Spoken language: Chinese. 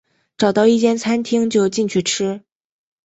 找到一间餐厅就进去吃